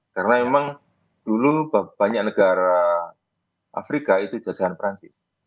karena memang dulu banyak negara afrika itu jajahan perancis